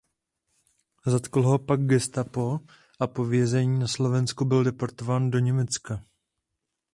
Zatklo ho pak gestapo a po věznění na Slovensku byl deportován do Německa.